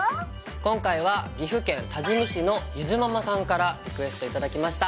今回は岐阜県多治見市のゆづママさんからリクエスト頂きました。